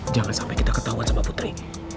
jangan sampai kita ketahuan sama putri